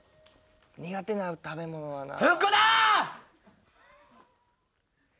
苦手な食べ物はなあ。